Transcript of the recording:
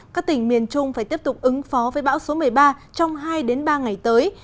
các tỉnh miền trung phải tiếp tục ứng phó với bão số một mươi ba trong hai ba ngày tới